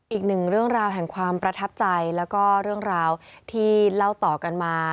อีกหนึ่งเรื่องราวแห่งความประทับใจแล้วก็เรื่องราวที่เล่าต่อกันมา